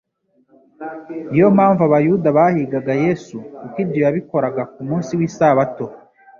"Niyo mpamvu Abayuda bahigaga Yesu kuko ibyo yabikoraga ku munsi w'isabato".